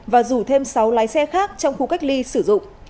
và rủ thêm sáu lái xe khác trong khu cách ly sử dụng